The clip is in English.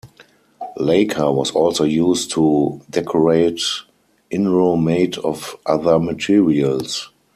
Lacquer was also used to decorate inro made of other materials.